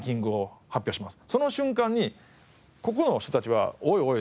その瞬間にここの人たちは「おいおい！